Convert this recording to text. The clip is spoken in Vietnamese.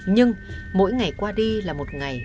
nhưng mỗi ngày qua đi là một ngày